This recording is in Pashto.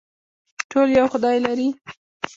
ټول یو خدای لري